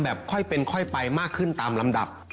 ค่อยเป็นค่อยไปมากขึ้นตามลำดับ